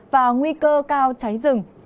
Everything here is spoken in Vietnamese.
và nguy cơ cao cháy rừng